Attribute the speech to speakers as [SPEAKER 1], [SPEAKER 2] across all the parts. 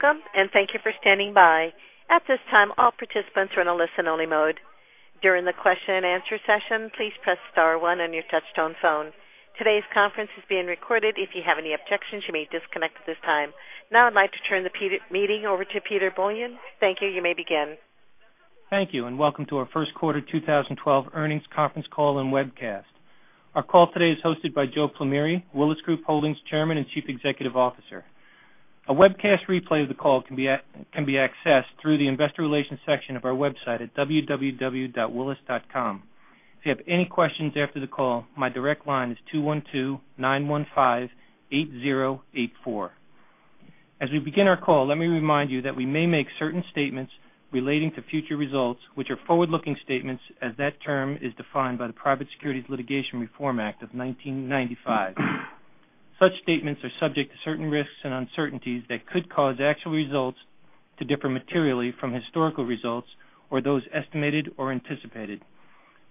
[SPEAKER 1] Welcome, thank you for standing by. At this time, all participants are in a listen-only mode. During the question and answer session, please press * one on your touch-tone phone. Today's conference is being recorded. If you have any objections, you may disconnect at this time. Now I'd like to turn the meeting over to Peter Poillon. Thank you. You may begin.
[SPEAKER 2] Thank you, welcome to our first quarter 2012 earnings conference call and webcast. Our call today is hosted by Joe Plumeri, Willis Group Holdings Chairman and Chief Executive Officer. A webcast replay of the call can be accessed through the investor relations section of our website at www.willis.com. If you have any questions after the call, my direct line is 212-915-8084. As we begin our call, let me remind you that we may make certain statements relating to future results, which are forward-looking statements as that term is defined by the Private Securities Litigation Reform Act of 1995. Such statements are subject to certain risks and uncertainties that could cause actual results to differ materially from historical results or those estimated or anticipated.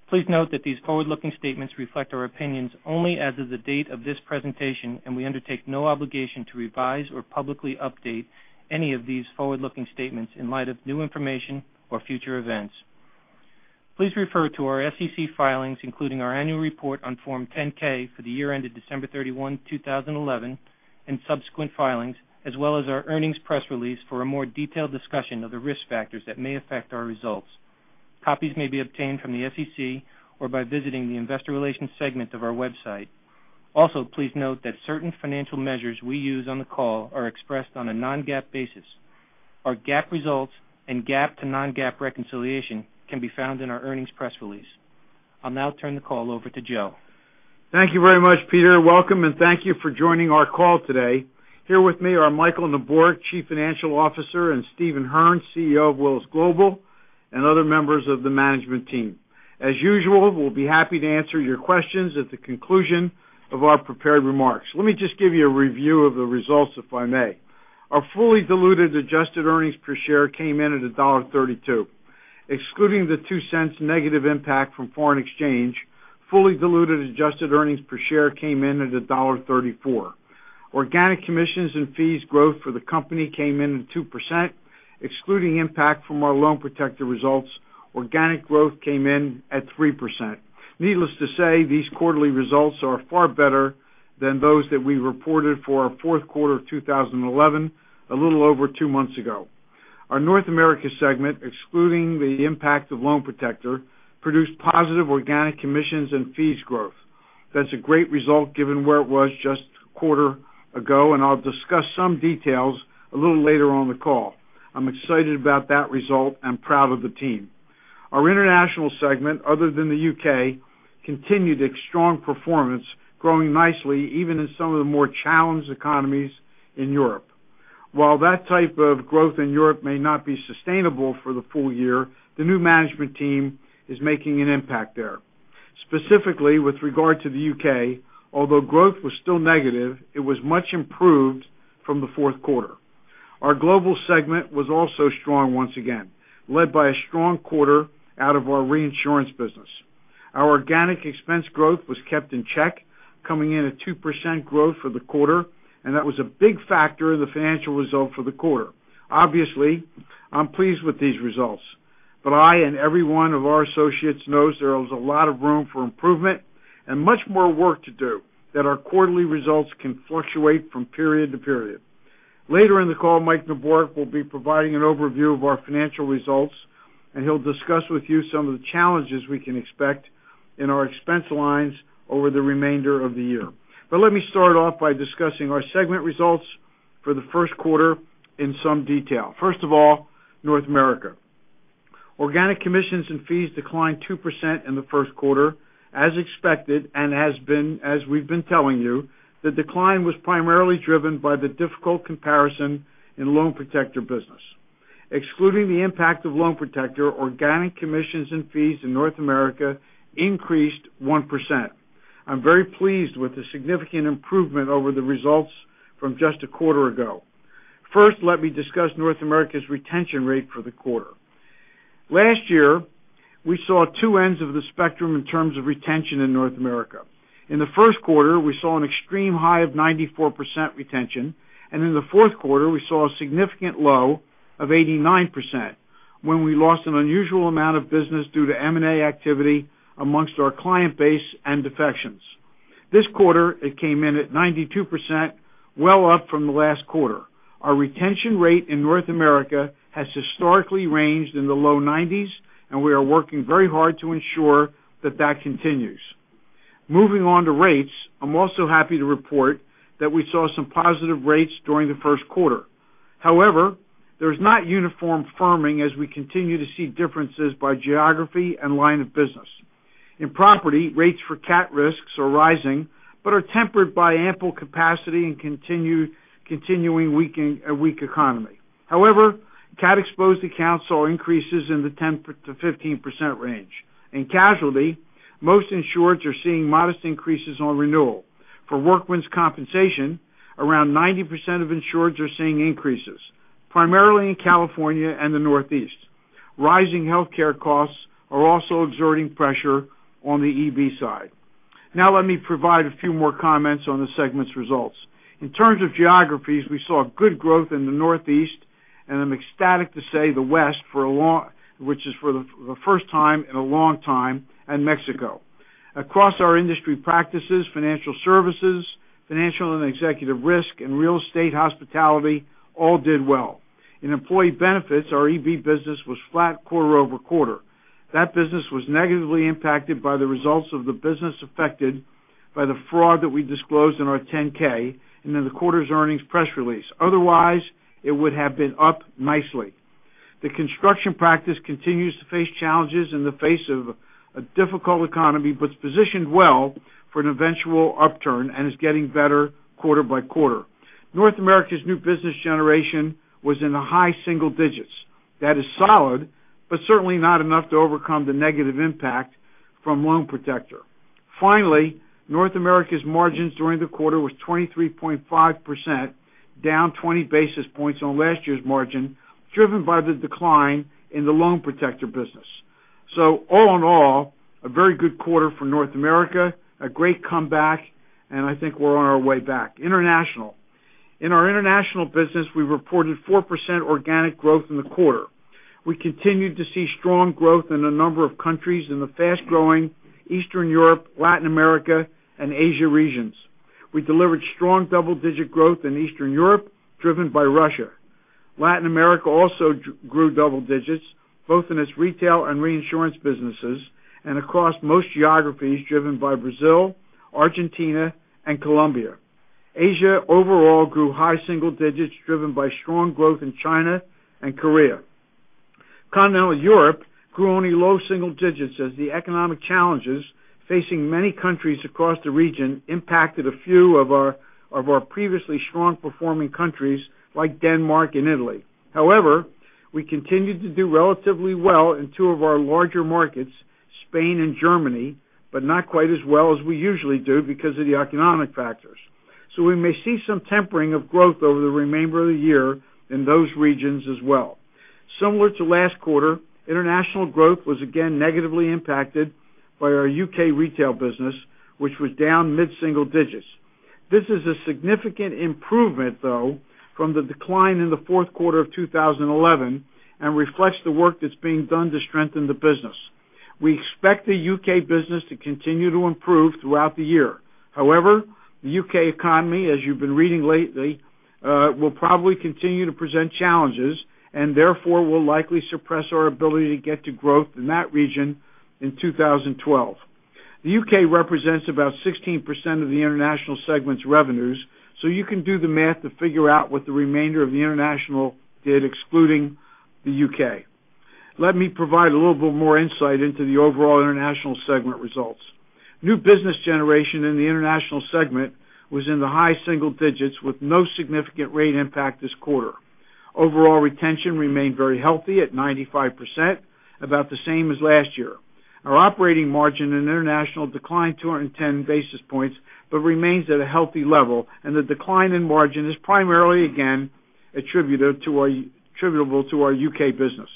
[SPEAKER 2] Please note that these forward-looking statements reflect our opinions only as of the date of this presentation, we undertake no obligation to revise or publicly update any of these forward-looking statements in light of new information or future events. Please refer to our SEC filings, including our annual report on Form 10-K for the year ended December 31, 2011, and subsequent filings, as well as our earnings press release for a more detailed discussion of the risk factors that may affect our results. Copies may be obtained from the SEC or by visiting the investor relations segment of our website. Please note that certain financial measures we use on the call are expressed on a non-GAAP basis. Our GAAP results and GAAP to non-GAAP reconciliation can be found in our earnings press release. I'll now turn the call over to Joe.
[SPEAKER 3] Thank you very much, Peter. Welcome, thank you for joining our call today. Here with me are Michael Neborak, Chief Financial Officer, and Steven Hearn, CEO of Willis Global, and other members of the management team. As usual, we'll be happy to answer your questions at the conclusion of our prepared remarks. Let me just give you a review of the results, if I may. Our fully diluted adjusted earnings per share came in at $1.32. Excluding the $0.02 negative impact from foreign exchange, fully diluted adjusted earnings per share came in at $1.34. Organic commissions and fees growth for the company came in at 2%, excluding impact from our Loan Protector results, organic growth came in at 3%. Needless to say, these quarterly results are far better than those that we reported for our fourth quarter of 2011, a little over two months ago. Our North America Segment, excluding the impact of Loan Protector, produced positive organic commissions and fees growth. That's a great result given where it was just a quarter ago, I'll discuss some details a little later on the call. I'm excited about that result and proud of the team. Our international segment, other than the U.K., continued its strong performance, growing nicely, even in some of the more challenged economies in Europe. While that type of growth in Europe may not be sustainable for the full year, the new management team is making an impact there. Specifically, with regard to the U.K., although growth was still negative, it was much improved from the fourth quarter. Our Global Segment was also strong once again, led by a strong quarter out of our reinsurance business. Our organic expense growth was kept in check, coming in at 2% growth for the quarter, and that was a big factor in the financial result for the quarter. Obviously, I'm pleased with these results, but I and every one of our associates knows there is a lot of room for improvement and much more work to do, that our quarterly results can fluctuate from period to period. Later in the call, Mike Neborak will be providing an overview of our financial results, and he'll discuss with you some of the challenges we can expect in our expense lines over the remainder of the year. Let me start off by discussing our segment results for the first quarter in some detail. First of all, North America. Organic commissions and fees declined 2% in the first quarter, as expected, as we've been telling you, the decline was primarily driven by the difficult comparison in Loan Protector business. Excluding the impact of Loan Protector, organic commissions and fees in North America increased 1%. I'm very pleased with the significant improvement over the results from just a quarter ago. First, let me discuss North America's retention rate for the quarter. Last year, we saw two ends of the spectrum in terms of retention in North America. In the first quarter, we saw an extreme high of 94% retention, and in the fourth quarter, we saw a significant low of 89%, when we lost an unusual amount of business due to M&A activity amongst our client base and defections. This quarter, it came in at 92%, well up from last quarter. Our retention rate in North America has historically ranged in the low 90s, we are working very hard to ensure that that continues. Moving on to rates, I'm also happy to report that we saw some positive rates during the first quarter. However, there's not uniform firming as we continue to see differences by geography and line of business. In property, rates for cat risks are rising but are tempered by ample capacity and continuing weak economy. However, cat-exposed accounts saw increases in the 10%-15% range. In casualty, most insurers are seeing modest increases on renewal. For workmen's compensation, around 90% of insurers are seeing increases, primarily in California and the Northeast. Rising healthcare costs are also exerting pressure on the EV side. Let me provide a few more comments on the segment's results. In terms of geographies, we saw good growth in the Northeast, and I'm ecstatic to say the West, which is for the first time in a long time, and Mexico. Across our industry practices, financial services, financial and executive risk, and real estate hospitality all did well. In employee benefits, our EB business was flat quarter-over-quarter. That business was negatively impacted by the results of the business affected by the fraud that we disclosed in our 10-K and in the quarter's earnings press release. Otherwise, it would have been up nicely. The construction practice continues to face challenges in the face of a difficult economy, but it's positioned well for an eventual upturn and is getting better quarter by quarter. North America's new business generation was in the high single digits. That is solid, but certainly not enough to overcome the negative impact from Loan Protector. North America's margins during the quarter was 23.5%, down 20 basis points on last year's margin, driven by the decline in the Loan Protector business. All in all, a very good quarter for North America, a great comeback, and I think we're on our way back. International. In our international business, we reported 4% organic growth in the quarter. We continued to see strong growth in a number of countries in the fast-growing Eastern Europe, Latin America, and Asia regions. We delivered strong double-digit growth in Eastern Europe, driven by Russia. Latin America also grew double digits, both in its retail and reinsurance businesses, and across most geographies, driven by Brazil, Argentina, and Colombia. Asia overall grew high single digits, driven by strong growth in China and Korea. Continental Europe grew only low single digits as the economic challenges facing many countries across the region impacted a few of our previously strong-performing countries, like Denmark and Italy. We continued to do relatively well in two of our larger markets, Spain and Germany, but not quite as well as we usually do because of the economic factors. We may see some tempering of growth over the remainder of the year in those regions as well. Similar to last quarter, international growth was again negatively impacted by our U.K. retail business, which was down mid-single digits. This is a significant improvement, though, from the decline in the fourth quarter of 2011 and reflects the work that's being done to strengthen the business. We expect the U.K. business to continue to improve throughout the year. The U.K. economy, as you've been reading lately, will probably continue to present challenges and therefore will likely suppress our ability to get to growth in that region in 2012. The U.K. represents about 16% of the international segment's revenues, so you can do the math to figure out what the remainder of the international did excluding the U.K. Let me provide a little bit more insight into the overall international segment results. New business generation in the international segment was in the high single digits with no significant rate impact this quarter. Overall retention remained very healthy at 95%, about the same as last year. Our operating margin in international declined 210 basis points, but remains at a healthy level, and the decline in margin is primarily, again, attributable to our U.K. business.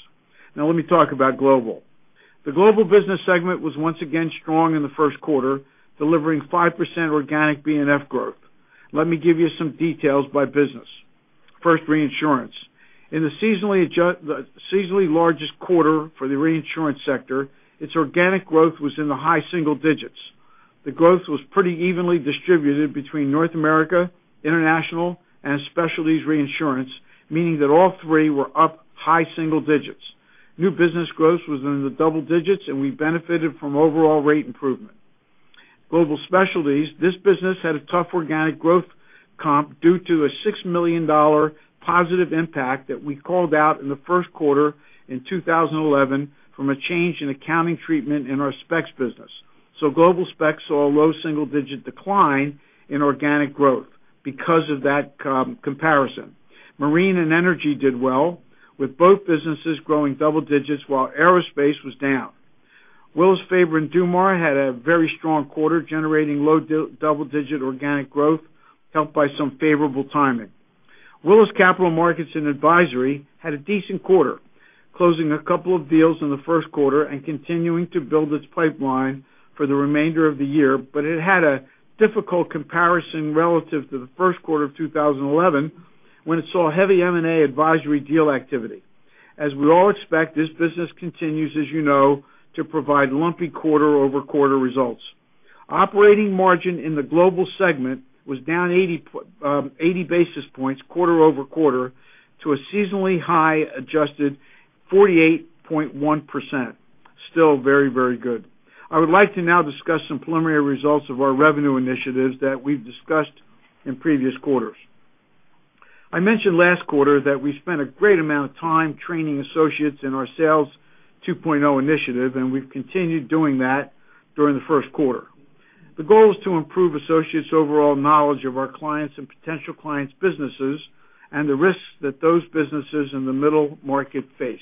[SPEAKER 3] Let me talk about global. The global business segment was once again strong in the first quarter, delivering 5% organic C&F growth. Let me give you some details by business. First, reinsurance. In the seasonally largest quarter for the reinsurance sector, its organic growth was in the high single digits. The growth was pretty evenly distributed between North America, International, and Specialties Reinsurance, meaning that all three were up high single digits. New business growth was in the double digits, and we benefited from overall rate improvement. Global specialties, this business had a tough organic growth comp due to a $6 million positive impact that we called out in the first quarter in 2011 from a change in accounting treatment in our specs business. Global specs saw a low single-digit decline in organic growth because of that comparison. Marine and Energy did well, with both businesses growing double digits while Aerospace was down. Willis, Faber & Dumas had a very strong quarter, generating low double-digit organic growth, helped by some favorable timing. Willis Capital Markets & Advisory had a decent quarter, closing a couple of deals in the first quarter and continuing to build its pipeline for the remainder of the year, but it had a difficult comparison relative to the first quarter of 2011, when it saw heavy M&A advisory deal activity. As we all expect, this business continues, as you know, to provide lumpy quarter-over-quarter results. Operating margin in the global segment was down 80 basis points quarter-over-quarter to a seasonally high adjusted 48.1%, still very, very good. I would like to now discuss some preliminary results of our revenue initiatives that we've discussed in previous quarters. I mentioned last quarter that we spent a great amount of time training associates in our Sales 2.0 initiative, and we've continued doing that during the first quarter. The goal is to improve associates' overall knowledge of our clients' and potential clients' businesses and the risks that those businesses in the middle market face.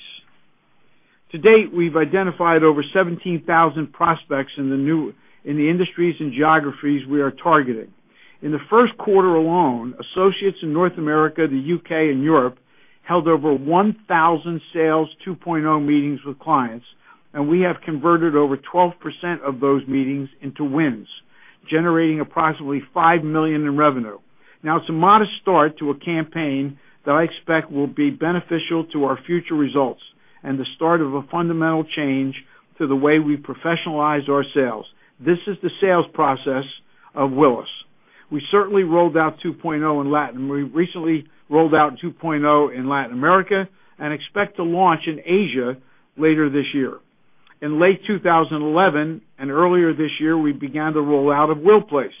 [SPEAKER 3] To date, we've identified over 17,000 prospects in the industries and geographies we are targeting. In the first quarter alone, associates in North America, the U.K., and Europe Held over 1,000 Sales 2.0 meetings with clients, and we have converted over 12% of those meetings into wins, generating approximately $5 million in revenue. It's a modest start to a campaign that I expect will be beneficial to our future results and the start of a fundamental change to the way we professionalize our sales. This is the sales process of Willis. We recently rolled out 2.0 in Latin America and expect to launch in Asia later this year. In late 2011 and earlier this year, we began the rollout of WillPLACE.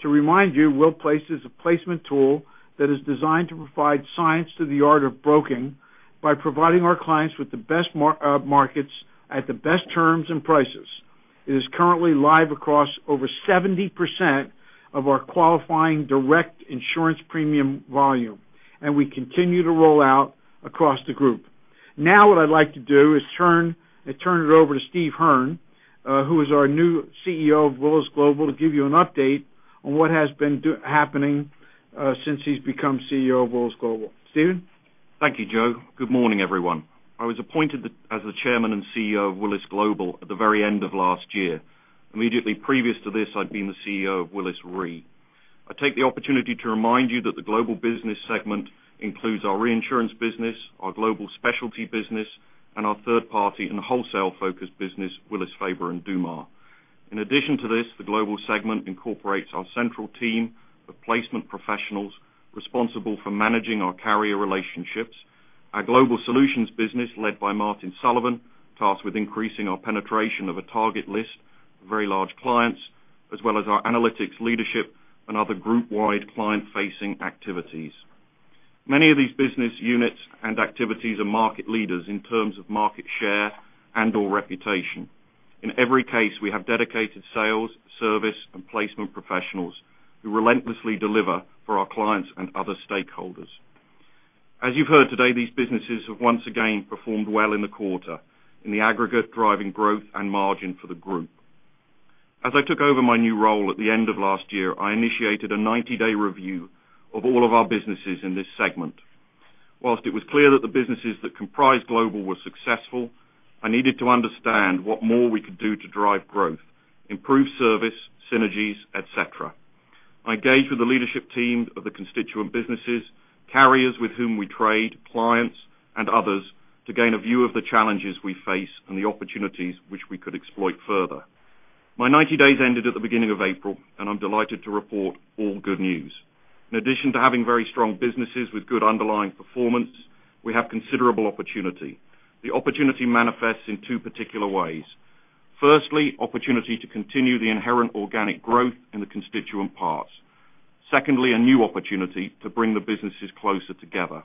[SPEAKER 3] To remind you, WillPLACE is a placement tool that is designed to provide science to the art of broking by providing our clients with the best markets at the best terms and prices. It is currently live across over 70% of our qualifying direct insurance premium volume. We continue to roll out across the group. What I'd like to do is turn it over to Steve Hearn, who is our new CEO of Willis Global, to give you an update on what has been happening since he's become CEO of Willis Global. Steven?
[SPEAKER 4] Thank you, Joe. Good morning, everyone. I was appointed as the Chairman and CEO of Willis Global at the very end of last year. Immediately previous to this, I'd been the CEO of Willis Re. I take the opportunity to remind you that the global business segment includes our reinsurance business, our global specialty business, and our third-party and wholesale-focused business, Willis, Faber & Dumas. In addition to this, the global segment incorporates our central team of placement professionals responsible for managing our carrier relationships. Our global solutions business, led by Martin Sullivan, tasked with increasing our penetration of a target list of very large clients, as well as our analytics leadership and other group-wide client-facing activities. Many of these business units and activities are market leaders in terms of market share and/or reputation. In every case, we have dedicated sales, service, and placement professionals who relentlessly deliver for our clients and other stakeholders. As you've heard today, these businesses have once again performed well in the quarter, in the aggregate, driving growth and margin for the group. As I took over my new role at the end of last year, I initiated a 90-day review of all of our businesses in this segment. Whilst it was clear that the businesses that comprise Global were successful, I needed to understand what more we could do to drive growth, improve service, synergies, et cetera. I engaged with the leadership team of the constituent businesses, carriers with whom we trade, clients, and others to gain a view of the challenges we face and the opportunities which we could exploit further. My 90 days ended at the beginning of April. I'm delighted to report all good news. In addition to having very strong businesses with good underlying performance, we have considerable opportunity. The opportunity manifests in two particular ways. Firstly, opportunity to continue the inherent organic growth in the constituent parts. Secondly, a new opportunity to bring the businesses closer together.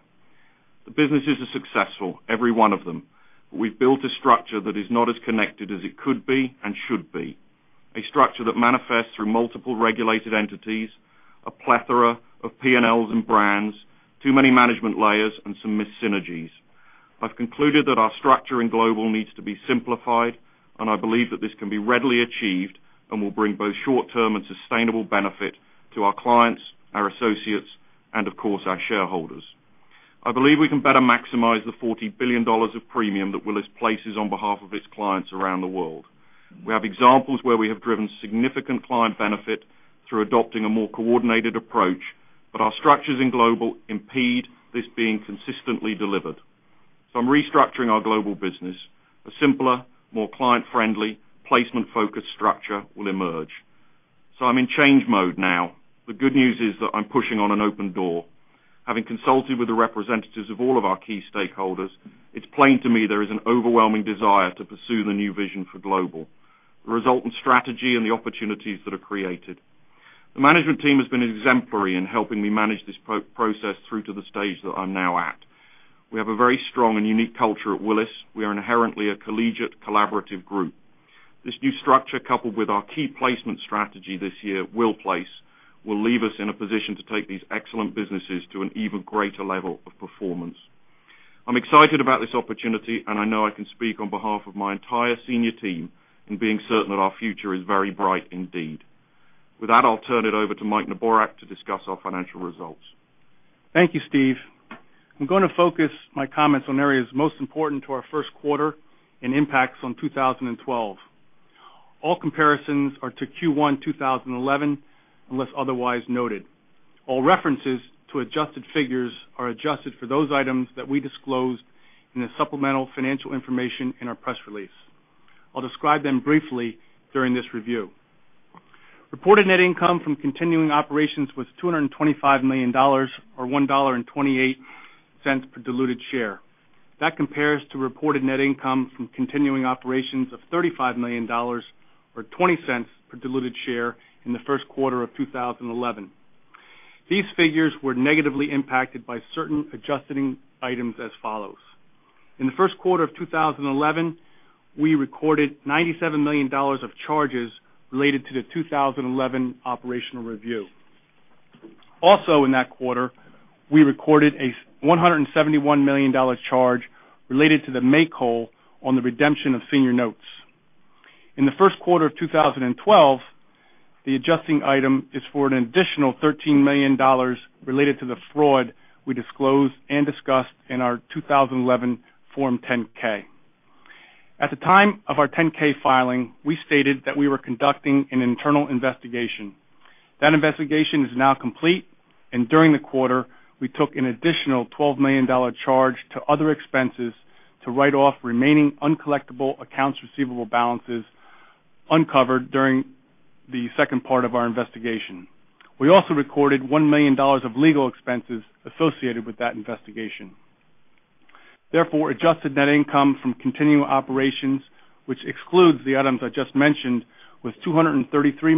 [SPEAKER 4] The businesses are successful, every one of them. We've built a structure that is not as connected as it could be and should be. A structure that manifests through multiple regulated entities, a plethora of P&Ls and brands, too many management layers, and some missed synergies. I've concluded that our structure in Global needs to be simplified. I believe that this can be readily achieved and will bring both short-term and sustainable benefit to our clients, our associates, and of course, our shareholders. I believe we can better maximize the $40 billion of premium that Willis places on behalf of its clients around the world. We have examples where we have driven significant client benefit through adopting a more coordinated approach, our structures in Global impede this being consistently delivered. I'm restructuring our global business. A simpler, more client-friendly, placement-focused structure will emerge. I'm in change mode now. The good news is that I'm pushing on an open door. Having consulted with the representatives of all of our key stakeholders, it's plain to me there is an overwhelming desire to pursue the new vision for Global, the resultant strategy and the opportunities that are created. The management team has been exemplary in helping me manage this process through to the stage that I'm now at. We have a very strong and unique culture at Willis. We are inherently a collegiate, collaborative group. This new structure, coupled with our key placement strategy this year, WillPLACE, will leave us in a position to take these excellent businesses to an even greater level of performance. I'm excited about this opportunity, and I know I can speak on behalf of my entire senior team in being certain that our future is very bright indeed. With that, I'll turn it over to Mike Neborak to discuss our financial results.
[SPEAKER 5] Thank you, Steve. I'm going to focus my comments on areas most important to our first quarter and impacts on 2012. All comparisons are to Q1 2011, unless otherwise noted. All references to adjusted figures are adjusted for those items that we disclosed in the supplemental financial information in our press release. I'll describe them briefly during this review. Reported net income from continuing operations was $225 million, or $1.28 per diluted share. That compares to reported net income from continuing operations of $35 million, or $0.20 per diluted share in the first quarter of 2011. These figures were negatively impacted by certain adjusting items as follows. In the first quarter of 2011, we recorded $97 million of charges related to the 2011 operational review. In that quarter, we recorded a $171 million charge related to the make whole on the redemption of senior notes. In the first quarter of 2012, the adjusting item is for an additional $13 million related to the fraud we disclosed and discussed in our 2011 Form 10-K. At the time of our 10-K filing, we stated that we were conducting an internal investigation. That investigation is now complete. During the quarter, we took an additional $12 million charge to other expenses to write off remaining uncollectible accounts receivable balances uncovered during the second part of our investigation. We also recorded $1 million of legal expenses associated with that investigation. Therefore, adjusted net income from continuing operations, which excludes the items I just mentioned, was $233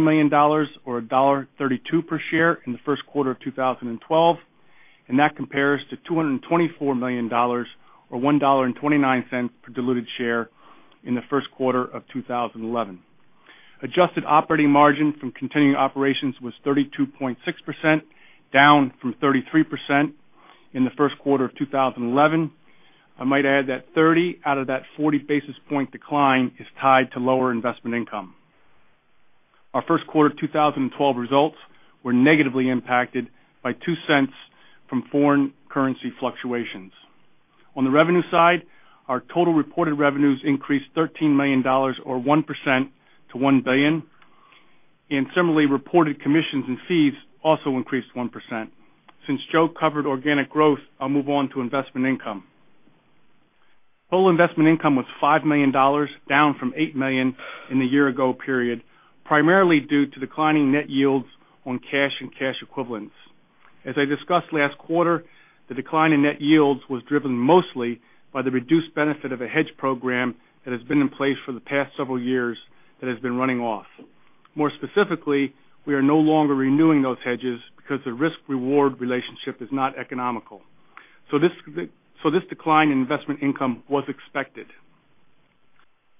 [SPEAKER 5] million, or $1.32 per share in the first quarter of 2012. That compares to $224 million or $1.29 per diluted share in the first quarter of 2011. Adjusted operating margin from continuing operations was 32.6%, down from 33% in the first quarter of 2011. I might add that 30 out of that 40 basis point decline is tied to lower investment income. Our first quarter 2012 results were negatively impacted by $0.02 from foreign currency fluctuations. On the revenue side, our total reported revenues increased $13 million, or 1%, to $1 billion, and similarly, reported commissions and fees also increased 1%. Since Joe covered organic growth, I'll move on to investment income. Total investment income was $5 million, down from $8 million in the year ago period, primarily due to declining net yields on cash and cash equivalents. As I discussed last quarter, the decline in net yields was driven mostly by the reduced benefit of a hedge program that has been in place for the past several years that has been running off. More specifically, we are no longer renewing those hedges because the risk-reward relationship is not economical. This decline in investment income was expected.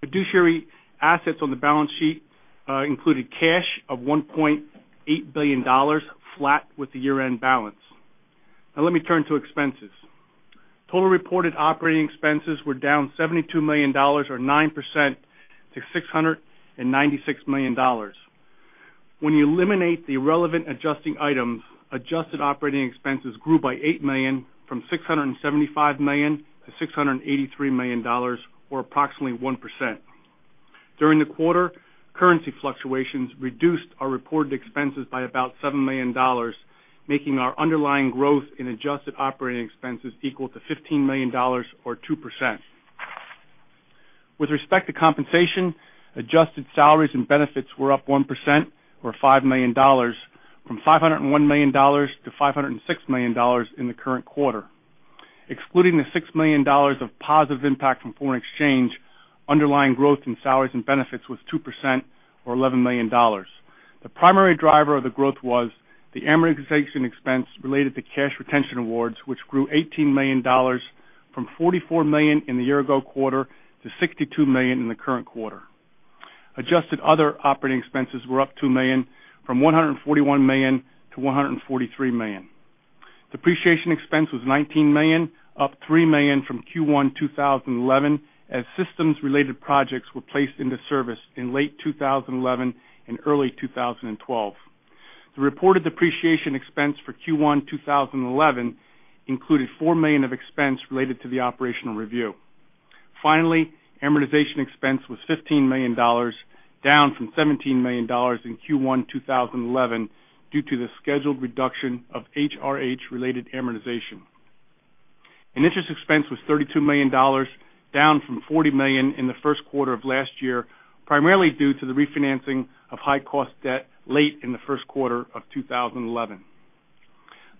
[SPEAKER 5] Fiduciary assets on the balance sheet included cash of $1.8 billion, flat with the year-end balance. Now let me turn to expenses. Total reported operating expenses were down $72 million or 9% to $696 million. When you eliminate the relevant adjusting items, adjusted operating expenses grew by $8 million from $675 million to $683 million, or approximately 1%. During the quarter, currency fluctuations reduced our reported expenses by about $7 million, making our underlying growth in adjusted operating expenses equal to $15 million or 2%. With respect to compensation, adjusted salaries and benefits were up 1%, or $5 million, from $501 million to $506 million in the current quarter. Excluding the $6 million of positive impact from foreign exchange, underlying growth in salaries and benefits was 2% or $11 million. The primary driver of the growth was the amortization expense related to cash retention awards, which grew $18 million from $44 million in the year ago quarter to $62 million in the current quarter. Adjusted other operating expenses were up $2 million from $141 million to $143 million. Depreciation expense was $19 million, up $3 million from Q1 2011 as systems-related projects were placed into service in late 2011 and early 2012. The reported depreciation expense for Q1 2011 included $4 million of expense related to the operational review. Finally, amortization expense was $15 million, down from $17 million in Q1 2011 due to the scheduled reduction of HRH related amortization. Interest expense was $32 million, down from $40 million in the first quarter of last year, primarily due to the refinancing of high cost debt late in the first quarter of 2011.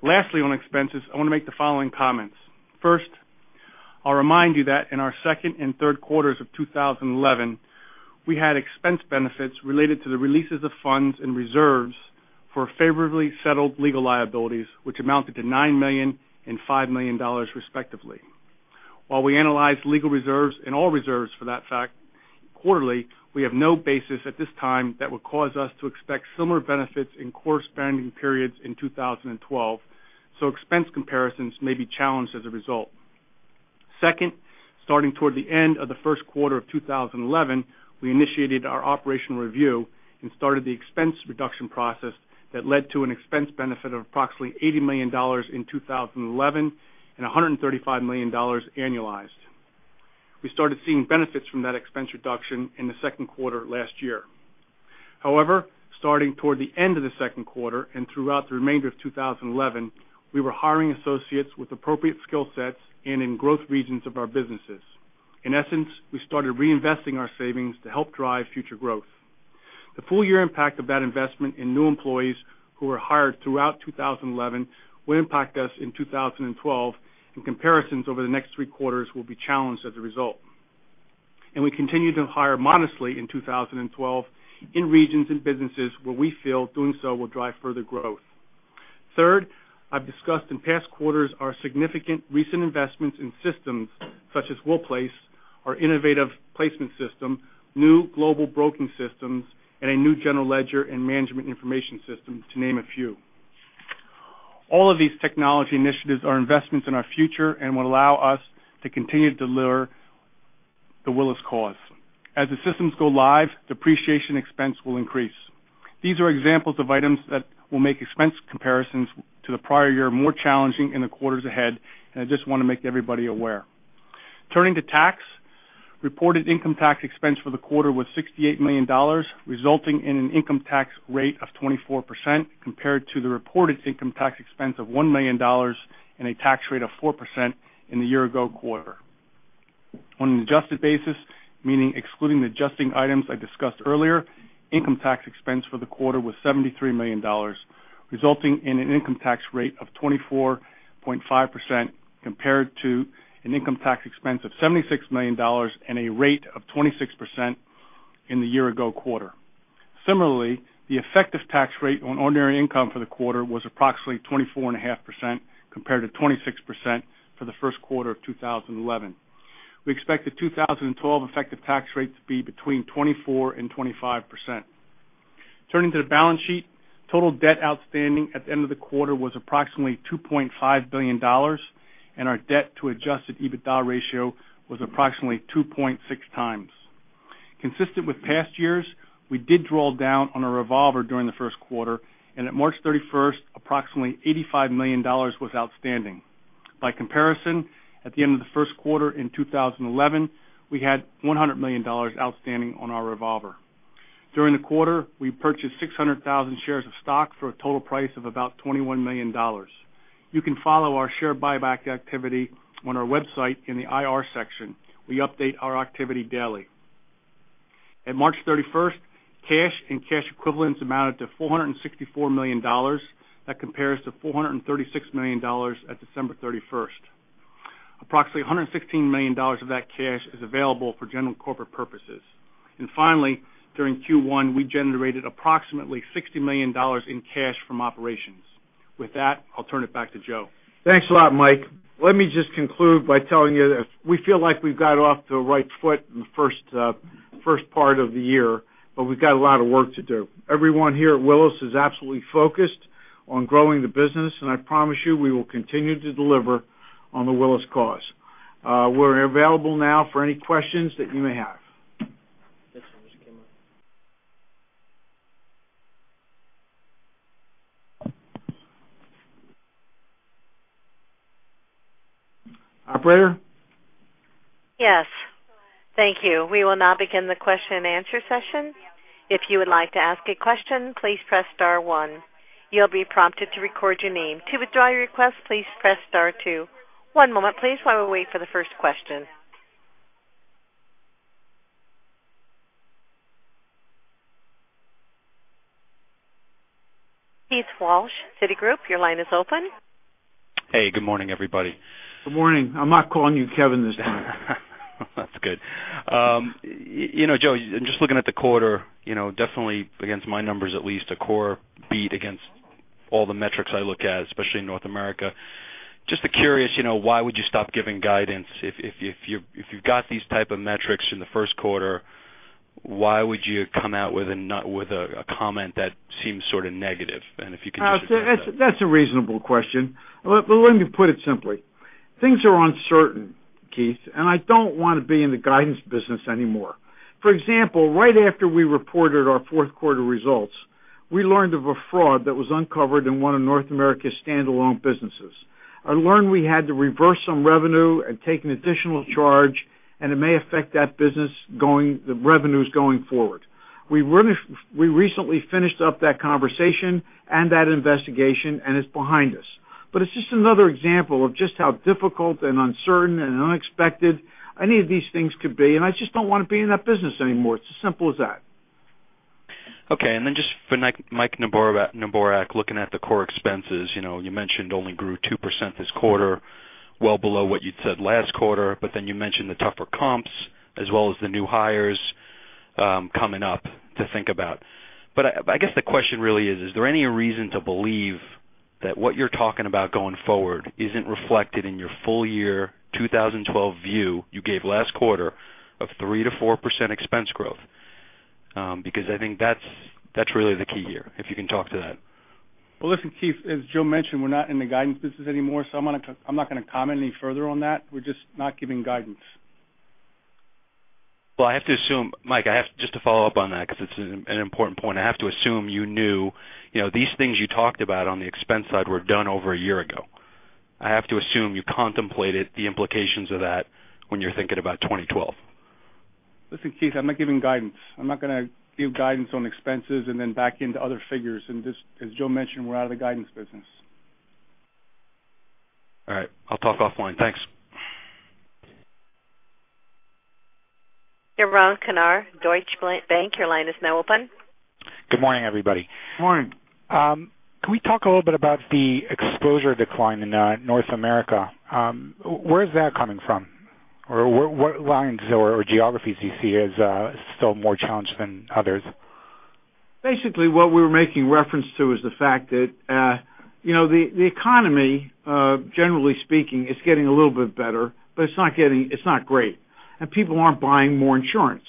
[SPEAKER 5] Lastly, on expenses, I want to make the following comments. First, I'll remind you that in our second and third quarters of 2011, we had expense benefits related to the releases of funds and reserves for favorably settled legal liabilities, which amounted to $9 million and $5 million respectively. While we analyze legal reserves and all reserves for that fact quarterly, we have no basis at this time that would cause us to expect similar benefits in corresponding periods in 2012, expense comparisons may be challenged as a result. Second, starting toward the end of the first quarter of 2011, we initiated our operational review and started the expense reduction process that led to an expense benefit of approximately $80 million in 2011 and $135 million annualized. We started seeing benefits from that expense reduction in the second quarter last year. However, starting toward the end of the second quarter and throughout the remainder of 2011, we were hiring associates with appropriate skill sets and in growth regions of our businesses. In essence, we started reinvesting our savings to help drive future growth. The full year impact of that investment in new employees who were hired throughout 2011 will impact us in 2012, and comparisons over the next three quarters will be challenged as a result. We continue to hire modestly in 2012 in regions and businesses where we feel doing so will drive further growth. Third, I've discussed in past quarters our significant recent investments in systems such as WillPLACE, our innovative placement system, new global broking systems, and a new general ledger and management information system to name a few. All of these technology initiatives are investments in our future and will allow us to continue to deliver The Willis Cause. As the systems go live, depreciation expense will increase. These are examples of items that will make expense comparisons to the prior year more challenging in the quarters ahead, and I just want to make everybody aware. Turning to tax, reported income tax expense for the quarter was $68 million, resulting in an income tax rate of 24%, compared to the reported income tax expense of $1 million and a tax rate of 4% in the year ago quarter. On an adjusted basis, meaning excluding the adjusting items I discussed earlier, income tax expense for the quarter was $73 million, resulting in an income tax rate of 24.5%, compared to an income tax expense of $76 million and a rate of 26% in the year ago quarter. Similarly, the effective tax rate on ordinary income for the quarter was approximately 24.5%, compared to 26% for the first quarter of 2011. We expect the 2012 effective tax rate to be between 24% and 25%. Turning to the balance sheet, total debt outstanding at the end of the quarter was approximately $2.5 billion, and our debt to adjusted EBITDA ratio was approximately 2.6 times. Consistent with past years, we did draw down on a revolver during the first quarter, and at March 31st, approximately $85 million was outstanding. By comparison, at the end of the first quarter in 2011, we had $100 million outstanding on our revolver. During the quarter, we purchased 600,000 shares of stock for a total price of about $21 million. You can follow our share buyback activity on our website in the IR section. We update our activity daily. At March 31st, cash and cash equivalents amounted to $464 million. That compares to $436 million at December 31st. Approximately $116 million of that cash is available for general corporate purposes. Finally, during Q1, we generated approximately $60 million in cash from operations. With that, I'll turn it back to Joe.
[SPEAKER 3] Thanks a lot, Mike. Let me just conclude by telling you that we feel like we've got off to the right foot in the first part of the year, but we've got a lot of work to do. Everyone here at Willis is absolutely focused on growing the business, and I promise you, we will continue to deliver on The Willis Cause. We're available now for any questions that you may have.
[SPEAKER 5] This one just came on.
[SPEAKER 3] Operator?
[SPEAKER 1] Yes. Thank you. We will now begin the question and answer session. If you would like to ask a question, please press star one. You'll be prompted to record your name. To withdraw your request, please press star two. One moment please, while we wait for the first question. Keith Walsh, Citigroup, your line is open.
[SPEAKER 6] Hey, good morning, everybody.
[SPEAKER 3] Good morning. I'm not calling you Kevin this time.
[SPEAKER 6] That's good. Joe, just looking at the quarter, definitely against my numbers at least, a core beat against all the metrics I look at, especially in North America. Just curious, why would you stop giving guidance? If you've got these type of metrics in the first quarter, why would you come out with a comment that seems sort of negative? If you could just address that.
[SPEAKER 3] That's a reasonable question. Let me put it simply. Things are uncertain, Keith, I don't want to be in the guidance business anymore. For example, right after we reported our fourth quarter results, we learned of a fraud that was uncovered in one of North America's standalone businesses. I learned we had to reverse some revenue and take an additional charge. It may affect that business, the revenues going forward. We recently finished up that conversation and that investigation. It's behind us. It's just another example of just how difficult and uncertain and unexpected any of these things could be. I just don't want to be in that business anymore. It's as simple as that.
[SPEAKER 6] Okay, just for Mike Neborak, looking at the core expenses, you mentioned only grew 2% this quarter, well below what you'd said last quarter. You mentioned the tougher comps as well as the new hires coming up to think about. I guess the question really is there any reason to believe that what you're talking about going forward isn't reflected in your full year 2012 view you gave last quarter of 3%-4% expense growth? I think that's really the key here, if you can talk to that.
[SPEAKER 5] Well, listen, Keith, as Joe mentioned, we're not in the guidance business anymore. I'm not going to comment any further on that. We're just not giving guidance.
[SPEAKER 6] Well, I have to assume, Mike, just to follow up on that because it's an important point. I have to assume you knew these things you talked about on the expense side were done over a year ago. I have to assume you contemplated the implications of that when you're thinking about 2012.
[SPEAKER 5] Listen, Keith, I'm not giving guidance. I'm not going to give guidance on expenses and then back into other figures. Just as Joe mentioned, we're out of the guidance business.
[SPEAKER 6] All right. I'll talk offline. Thanks.
[SPEAKER 1] Yaron Kinar, Deutsche Bank, your line is now open.
[SPEAKER 7] Good morning, everybody.
[SPEAKER 3] Good morning.
[SPEAKER 7] Can we talk a little bit about the exposure decline in North America? Where is that coming from? What lines or geographies do you see as still more challenged than others?
[SPEAKER 3] Basically, what we were making reference to is the fact that the economy, generally speaking, is getting a little bit better, but it's not great, and people aren't buying more insurance.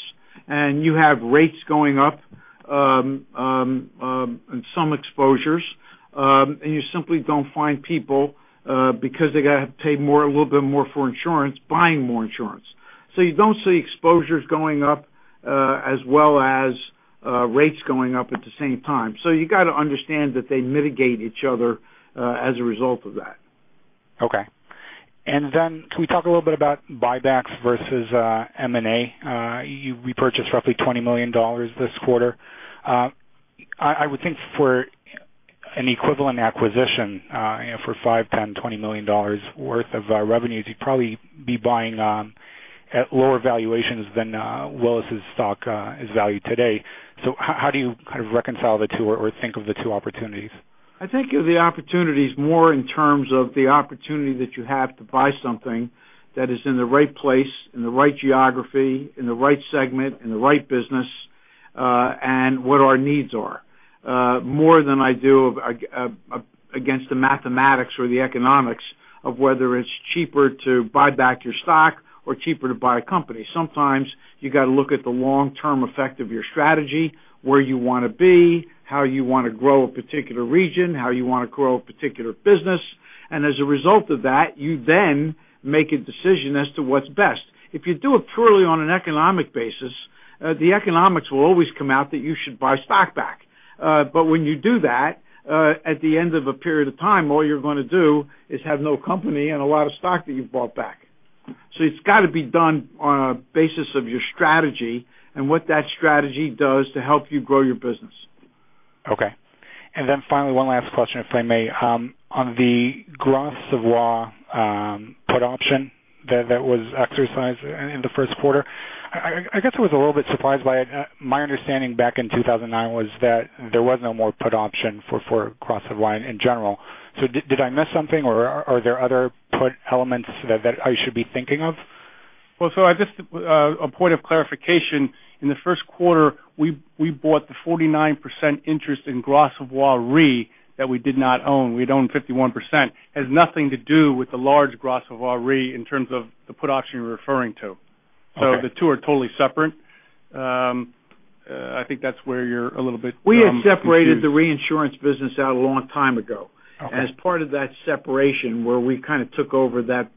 [SPEAKER 3] You have rates going up and some exposures, and you simply don't find people because they got to pay a little bit more for insurance, buying more insurance. You don't see exposures going up, as well as rates going up at the same time. You got to understand that they mitigate each other, as a result of that.
[SPEAKER 7] Okay. Can we talk a little bit about buybacks versus M&A? You repurchased roughly $20 million this quarter. I would think for an equivalent acquisition, for $5 million, $10 million, $20 million worth of revenues, you'd probably be buying at lower valuations than Willis' stock is valued today. How do you kind of reconcile the two or think of the two opportunities?
[SPEAKER 3] I think of the opportunities more in terms of the opportunity that you have to buy something that is in the right place, in the right geography, in the right segment, in the right business, and what our needs are. More than I do against the mathematics or the economics of whether it's cheaper to buy back your stock or cheaper to buy a company. Sometimes you got to look at the long-term effect of your strategy, where you want to be, how you want to grow a particular region, how you want to grow a particular business, and as a result of that, you then make a decision as to what's best. If you do it purely on an economic basis, the economics will always come out that you should buy stock back. When you do that, at the end of a period of time, all you're going to do is have no company and a lot of stock that you've bought back. It's got to be done on a basis of your strategy and what that strategy does to help you grow your business.
[SPEAKER 7] Okay. Finally, one last question, if I may. On the Gras Savoye put option that was exercised in the first quarter, I guess I was a little bit surprised by it. My understanding back in 2009 was that there was no more put option for Gras Savoye in general. Did I miss something or are there other put elements that I should be thinking of?
[SPEAKER 5] Well, I guess, a point of clarification, in the first quarter, we bought the 49% interest in Gras Savoye Re that we did not own. We'd owned 51%. It has nothing to do with the large Gras Savoye Re in terms of the put option you're referring to.
[SPEAKER 7] Okay.
[SPEAKER 5] The two are totally separate. I think that's where you're a little bit confused.
[SPEAKER 3] We had separated the reinsurance business out a long time ago.
[SPEAKER 7] Okay.
[SPEAKER 3] As part of that separation where we kind of took over that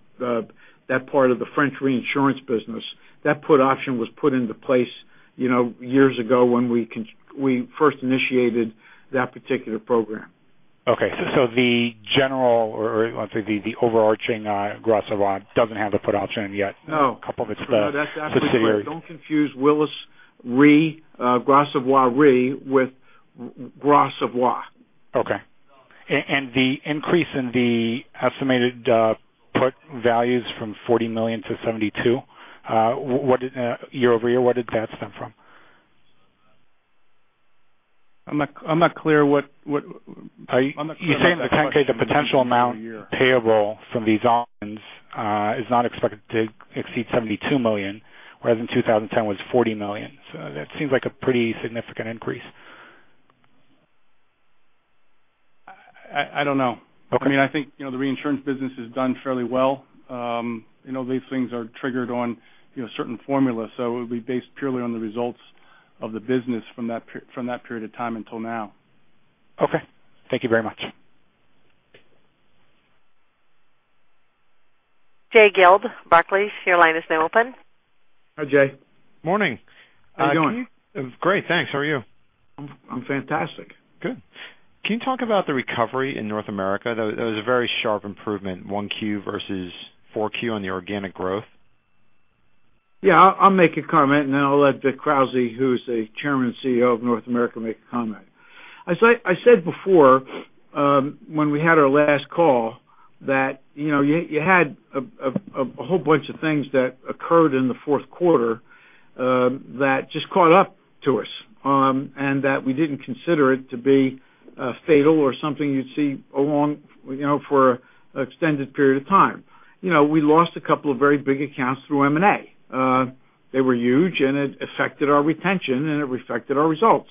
[SPEAKER 3] part of the French reinsurance business, that put option was put into place years ago when we first initiated that particular program.
[SPEAKER 7] Okay, the general, or the overarching Gras Savoye doesn't have the put option yet-
[SPEAKER 3] No
[SPEAKER 7] a couple of its subsidiaries.
[SPEAKER 3] No, that's absolutely correct. Don't confuse Willis Re, Gras Savoye Re with Gras Savoye.
[SPEAKER 7] Okay. The increase in the estimated put values from $40 million to $72 million, year-over-year, what did that stem from?
[SPEAKER 5] I'm not clear what.
[SPEAKER 7] You're saying the potential amount payable from these options is not expected to exceed $72 million, whereas in 2010 was $40 million. That seems like a pretty significant increase.
[SPEAKER 5] I don't know.
[SPEAKER 7] Okay.
[SPEAKER 5] I think the reinsurance business has done fairly well. These things are triggered on certain formulas, so it would be based purely on the results of the business from that period of time until now.
[SPEAKER 7] Okay. Thank you very much.
[SPEAKER 1] Jay Gelb, Barclays, your line is now open.
[SPEAKER 3] Hi, Jay.
[SPEAKER 8] Morning.
[SPEAKER 3] How you doing?
[SPEAKER 8] Great, thanks. How are you?
[SPEAKER 3] I'm fantastic.
[SPEAKER 8] Good. Can you talk about the recovery in North America? That was a very sharp improvement, 1Q versus 4Q on the organic growth.
[SPEAKER 3] I'll make a comment, and then I'll let Vic Krauze, who's the Chairman and CEO of North America, make a comment. I said before, when we had our last call that you had a whole bunch of things that occurred in the fourth quarter that just caught up to us, and that we didn't consider it to be fatal or something you'd see along for extended period of time. We lost a couple of very big accounts through M&A. They were huge, and it affected our retention, and it affected our results.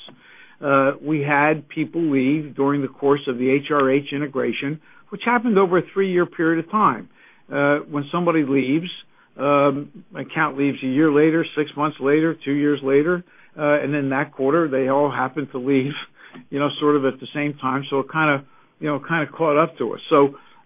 [SPEAKER 3] We had people leave during the course of the HRH integration, which happened over a three-year period of time. When somebody leaves, account leaves a year later, six months later, two years later, and in that quarter, they all happen to leave sort of at the same time. It kind of caught up to us.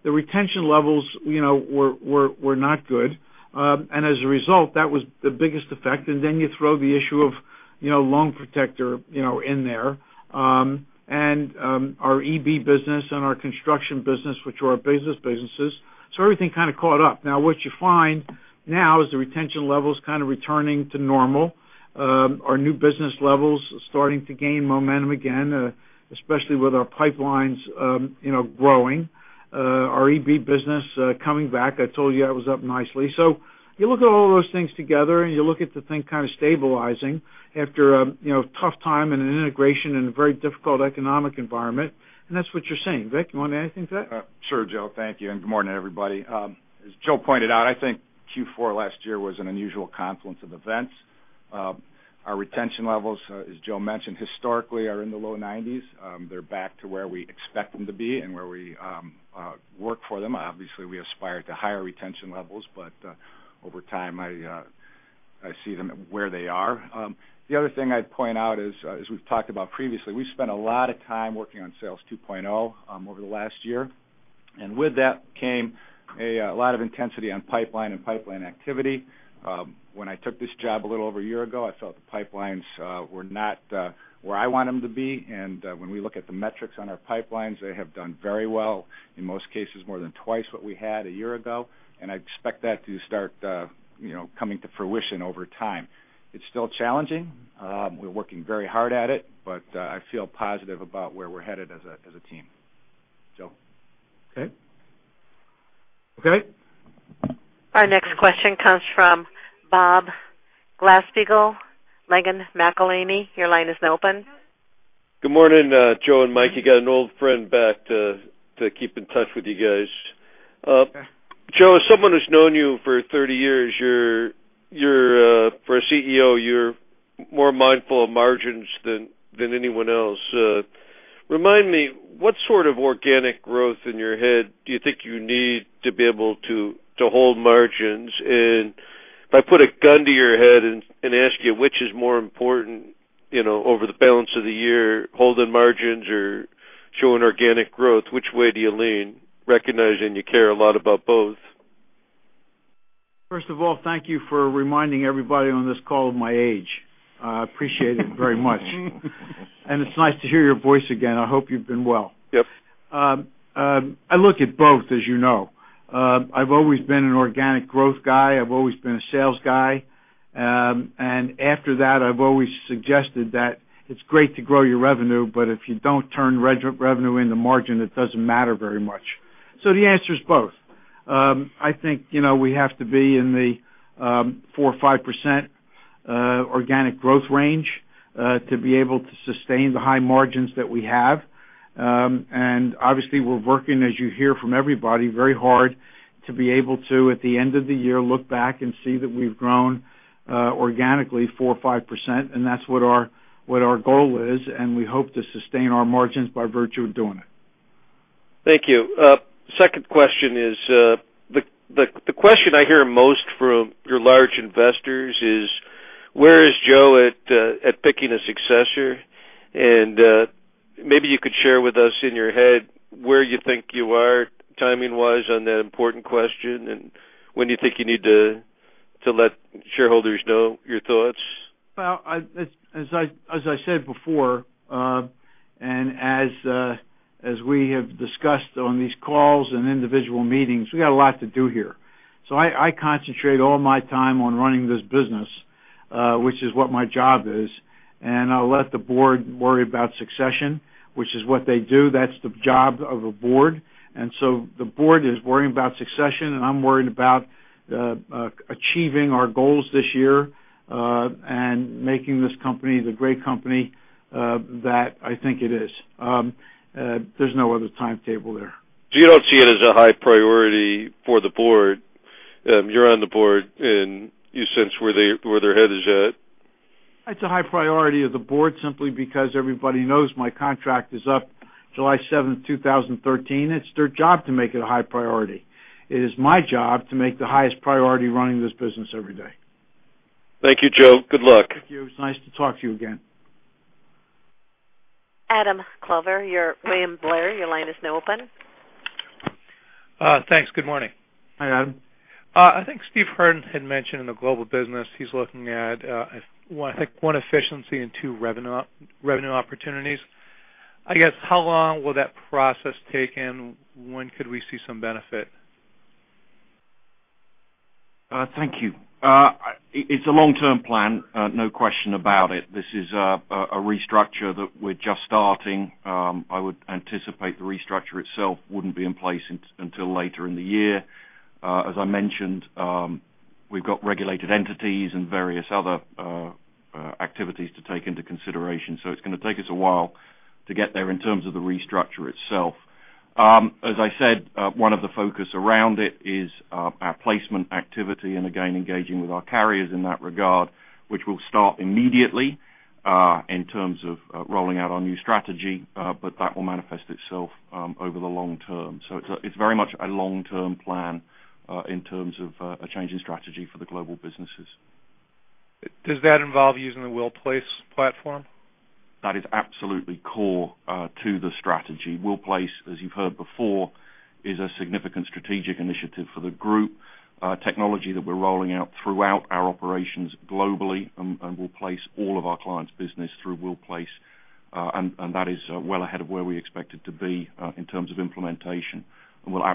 [SPEAKER 3] The retention levels were not good. As a result, that was the biggest effect. Then you throw the issue of Loan Protector in there. Our EB business and our construction business, which were our biggest businesses. Everything kind of caught up. Now what you find now is the retention levels kind of returning to normal. Our new business levels starting to gain momentum again, especially with our pipelines growing, our EB business coming back. I told you that was up nicely. You look at all those things together, and you look at the thing kind of stabilizing after a tough time and an integration in a very difficult economic environment, and that's what you're seeing. Vic, you want to add anything to that?
[SPEAKER 9] Sure, Joe. Thank you, and good morning, everybody. As Joe pointed out, I think Q4 last year was an unusual confluence of events. Our retention levels, as Joe mentioned historically, are in the low 90s. They're back to where we expect them to be and where we work for them. Obviously, we aspire to higher retention levels, but over time, I see them where they are. The other thing I'd point out is, as we've talked about previously, we've spent a lot of time working on Sales 2.0 over the last year With that came a lot of intensity on pipeline and pipeline activity. When I took this job a little over a year ago, I felt the pipelines were not where I want them to be. When we look at the metrics on our pipelines, they have done very well, in most cases more than twice what we had a year ago. I expect that to start coming to fruition over time. It's still challenging. We're working very hard at it, but I feel positive about where we're headed as a team. Joe?
[SPEAKER 3] Okay.
[SPEAKER 1] Our next question comes from Bob Glasspiegel, Langen McAlenney. Your line is now open.
[SPEAKER 10] Good morning, Joe and Mike. You got an old friend back to keep in touch with you guys.
[SPEAKER 5] Yeah.
[SPEAKER 10] Joe, as someone who's known you for 30 years, for a CEO, you're more mindful of margins than anyone else. Remind me, what sort of organic growth in your head do you think you need to be able to hold margins? If I put a gun to your head and ask you which is more important, over the balance of the year, holding margins or showing organic growth, which way do you lean, recognizing you care a lot about both?
[SPEAKER 3] First of all, thank you for reminding everybody on this call of my age. I appreciate it very much. It's nice to hear your voice again. I hope you've been well.
[SPEAKER 10] Yes.
[SPEAKER 3] I look at both, as you know. I've always been an organic growth guy. I've always been a sales guy. After that, I've always suggested that it's great to grow your revenue, but if you don't turn revenue into margin, it doesn't matter very much. The answer is both. I think we have to be in the 4% or 5% organic growth range, to be able to sustain the high margins that we have. Obviously, we're working, as you hear from everybody, very hard to be able to, at the end of the year, look back and see that we've grown organically 4% or 5%, and that's what our goal is, and we hope to sustain our margins by virtue of doing it.
[SPEAKER 10] Thank you. Second question is, the question I hear most from your large investors is, "Where is Joe at picking a successor?" Maybe you could share with us in your head where you think you are timing-wise on that important question, and when you think you need to let shareholders know your thoughts.
[SPEAKER 3] Well, as I said before, as we have discussed on these calls and individual meetings, we got a lot to do here. I concentrate all my time on running this business, which is what my job is, I'll let the board worry about succession, which is what they do. That's the job of a board. The board is worrying about succession, I'm worried about achieving our goals this year, and making this company the great company that I think it is. There's no other timetable there.
[SPEAKER 10] You don't see it as a high priority for the board. You're on the board, you sense where their head is at.
[SPEAKER 3] It's a high priority of the board simply because everybody knows my contract is up July 7th, 2013. It's their job to make it a high priority. It is my job to make the highest priority running this business every day.
[SPEAKER 10] Thank you, Joe. Good luck.
[SPEAKER 3] Thank you. It's nice to talk to you again.
[SPEAKER 1] Adam Klauber, William Blair, your line is now open.
[SPEAKER 11] Thanks. Good morning.
[SPEAKER 5] Hi, Adam.
[SPEAKER 11] I think Steve Hearn had mentioned in the Willis Global business he's looking at, I think one efficiency and two revenue opportunities. I guess, how long will that process take and when could we see some benefit?
[SPEAKER 4] Thank you. It's a long-term plan, no question about it. This is a restructure that we're just starting. I would anticipate the restructure itself wouldn't be in place until later in the year. As I mentioned, we've got regulated entities and various other activities to take into consideration. It's going to take us a while to get there in terms of the restructure itself. As I said, one of the focus around it is our placement activity and again, engaging with our carriers in that regard, which will start immediately, in terms of rolling out our new strategy. That will manifest itself over the long term. It's very much a long-term plan, in terms of a change in strategy for the Willis Global businesses.
[SPEAKER 11] Does that involve using the WillPLACE platform?
[SPEAKER 4] That is absolutely core to the strategy. WillPLACE, as you've heard before, is a significant strategic initiative for the group. Technology that we're rolling out throughout our operations globally. We'll place all of our clients' business through WillPLACE. That is well ahead of where we expect it to be in terms of implementation and will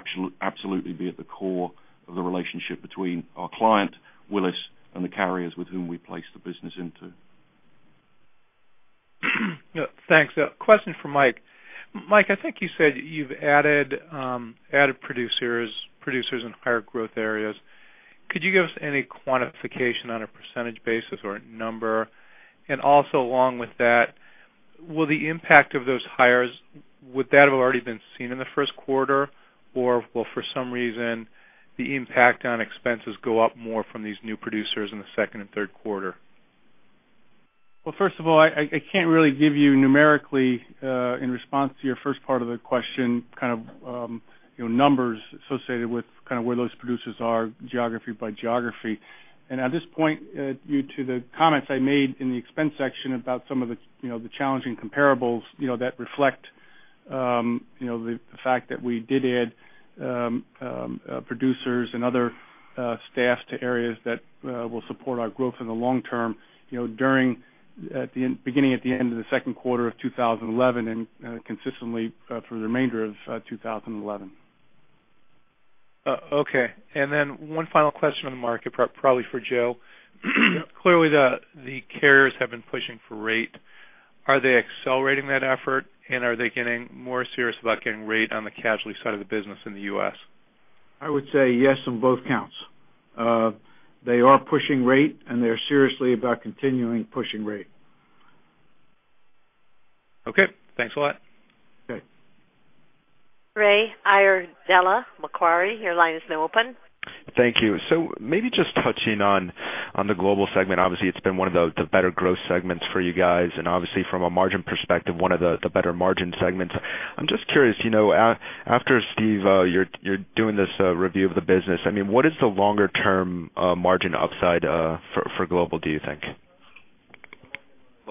[SPEAKER 4] absolutely be at the core of the relationship between our client, Willis, and the carriers with whom we place the business into.
[SPEAKER 11] Thanks. A question for Mike. Mike, I think you said you've added producers in higher growth areas. Could you give us any quantification on a percentage basis or a number? Also along with that, will the impact of those hires, would that have already been seen in the first quarter? Will, for some reason, the impact on expenses go up more from these new producers in the second and third quarter?
[SPEAKER 5] Well, first of all, I can't really give you numerically, in response to your first part of the question, kind of numbers associated with where those producers are geography by geography. At this point, due to the comments I made in the expense section about some of the challenging comparables that reflect the fact that we did add producers and other staff to areas that will support our growth in the long term, beginning at the end of the second quarter of 2011 and consistently through the remainder of 2011.
[SPEAKER 11] Okay. Then one final question on the market, probably for Joe.
[SPEAKER 3] Yep.
[SPEAKER 11] Clearly, the carriers have been pushing for rate. Are they accelerating that effort, and are they getting more serious about getting rate on the casualty side of the business in the U.S.?
[SPEAKER 3] I would say yes on both counts. They are pushing rate, and they're serious about continuing pushing rate.
[SPEAKER 11] Okay, thanks a lot.
[SPEAKER 3] Okay.
[SPEAKER 1] Ray Iardella, Macquarie, your line is now open.
[SPEAKER 12] Thank you. Maybe just touching on the Global segment. Obviously, it's been one of the better growth segments for you guys and obviously from a margin perspective, one of the better margin segments. I'm just curious, after Steve, you're doing this review of the business. What is the longer-term margin upside for Global, do you think?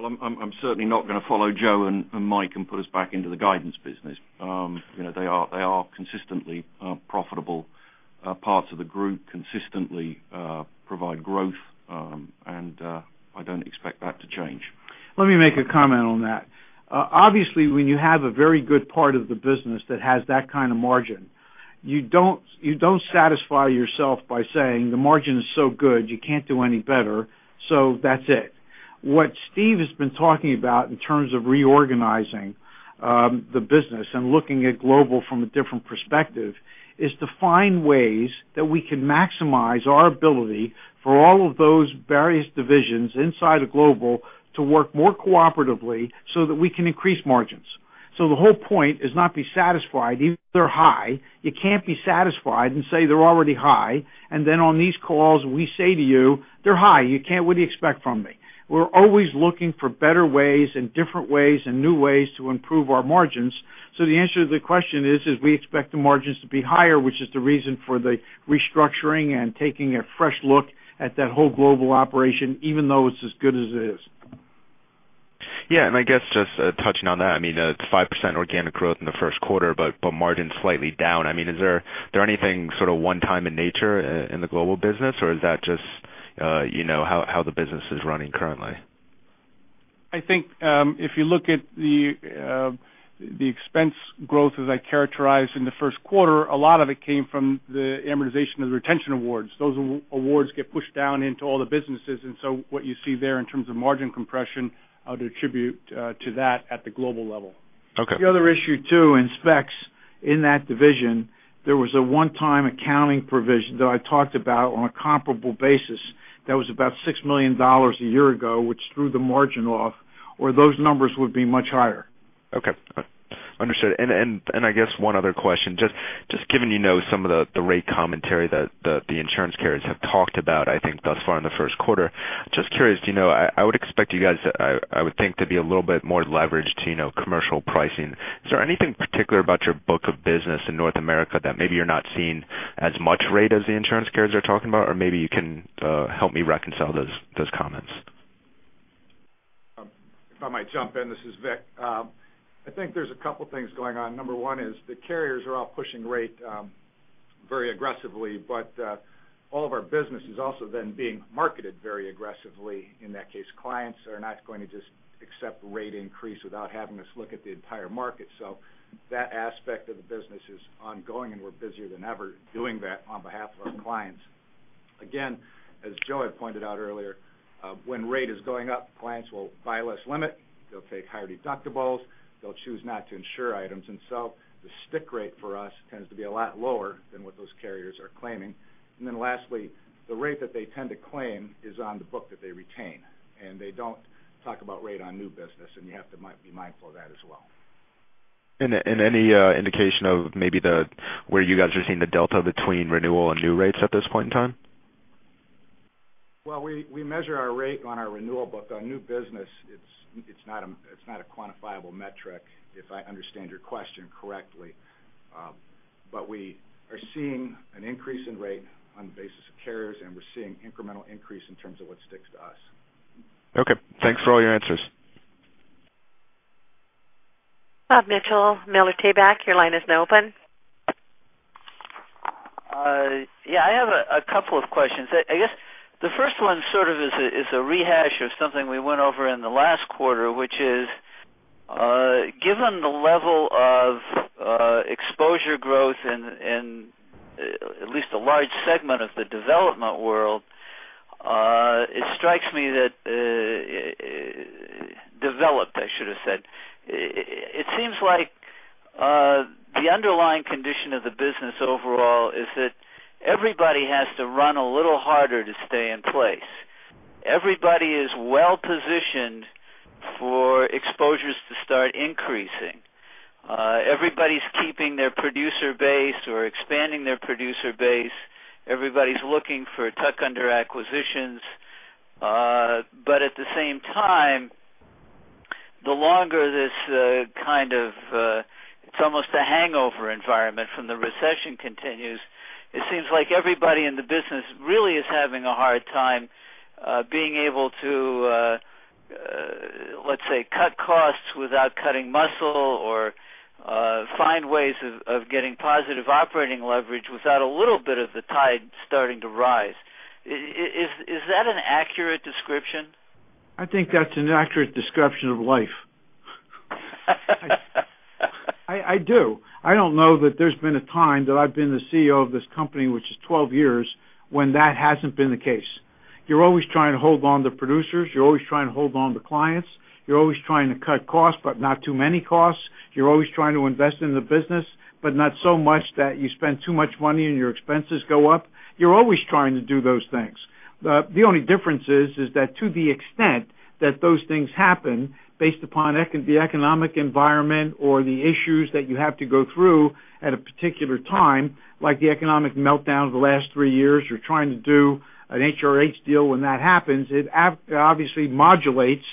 [SPEAKER 4] I'm certainly not going to follow Joe and Mike and put us back into the guidance business. They are consistently profitable parts of the group, consistently provide growth, and I don't expect that to change.
[SPEAKER 3] Let me make a comment on that. Obviously, when you have a very good part of the business that has that kind of margin, you don't satisfy yourself by saying the margin is so good you can't do any better, so that's it. What Steve has been talking about in terms of reorganizing the business and looking at Global from a different perspective is to find ways that we can maximize our ability for all of those various divisions inside of Global to work more cooperatively so that we can increase margins. The whole point is not be satisfied even if they're high. You can't be satisfied and say they're already high, and then on these calls, we say to you, "They're high. What do you expect from me?" We're always looking for better ways and different ways and new ways to improve our margins. The answer to the question is we expect the margins to be higher, which is the reason for the restructuring and taking a fresh look at that whole global operation, even though it is as good as it is.
[SPEAKER 12] I guess just touching on that, it is 5% organic growth in the first quarter, but margin's slightly down. Is there anything sort of one-time in nature in the global business, or is that just how the business is running currently?
[SPEAKER 5] I think if you look at the expense growth as I characterized in the first quarter, a lot of it came from the amortization of the retention awards. Those awards get pushed down into all the businesses, what you see there in terms of margin compression, I would attribute to that at the global level.
[SPEAKER 12] Okay.
[SPEAKER 3] The other issue, too, in segments, in that division, there was a one-time accounting provision that I talked about on a comparable basis that was about $6 million a year ago, which threw the margin off, or those numbers would be much higher.
[SPEAKER 12] Okay. Understood. I guess one other question, just given you know some of the rate commentary that the insurance carriers have talked about, I think thus far in the first quarter, just curious, I would expect you guys, I would think, to be a little bit more leveraged to commercial pricing. Is there anything particular about your book of business in North America that maybe you're not seeing as much rate as the insurance carriers are talking about? Or maybe you can help me reconcile those comments.
[SPEAKER 9] If I might jump in, this is Vic. I think there's a couple things going on. Number one is the carriers are all pushing rate very aggressively, all of our business is also then being marketed very aggressively. In that case, clients are not going to just accept rate increase without having us look at the entire market. That aspect of the business is ongoing, and we're busier than ever doing that on behalf of our clients. Again, as Joe had pointed out earlier, when rate is going up, clients will buy less limit. They'll take higher deductibles. They'll choose not to insure items. The stick rate for us tends to be a lot lower than what those carriers are claiming. Lastly, the rate that they tend to claim is on the book that they retain, they don't talk about rate on new business, you have to be mindful of that as well.
[SPEAKER 12] Any indication of maybe where you guys are seeing the delta between renewal and new rates at this point in time?
[SPEAKER 9] Well, we measure our rate on our renewal book. On new business, it's not a quantifiable metric, if I understand your question correctly. We are seeing an increase in rate on the basis of carriers, and we're seeing incremental increase in terms of what sticks to us.
[SPEAKER 12] Okay. Thanks for all your answers.
[SPEAKER 1] Bob Mitchell, Miller Tabak, your line is now open.
[SPEAKER 13] Yeah. I have a couple of questions. I guess the first one sort of is a rehash of something we went over in the last quarter, which is given the level of exposure growth in at least a large segment of the development world, it strikes me that developed, I should have said. It seems like the underlying condition of the business overall is that everybody has to run a little harder to stay in place. Everybody is well-positioned for exposures to start increasing. Everybody's keeping their producer base or expanding their producer base. Everybody's looking for tuck-under acquisitions. At the same time, the longer this kind of, it's almost a hangover environment from the recession continues, it seems like everybody in the business really is having a hard time being able to, let's say, cut costs without cutting muscle or find ways of getting positive operating leverage without a little bit of the tide starting to rise. Is that an accurate description?
[SPEAKER 3] I think that's an accurate description of life. I do. I don't know that there's been a time that I've been the CEO of this company, which is 12 years, when that hasn't been the case. You're always trying to hold on to producers. You're always trying to hold on to clients. You're always trying to cut costs, but not too many costs. You're always trying to invest in the business, but not so much that you spend too much money and your expenses go up. You're always trying to do those things. The only difference is that to the extent that those things happen based upon the economic environment or the issues that you have to go through at a particular time, like the economic meltdown of the last three years, you're trying to do an HRH deal when that happens, it obviously modulates